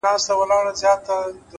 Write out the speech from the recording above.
ژور فکر غوره پرېکړې زېږوي؛